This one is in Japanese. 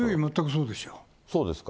そうですか。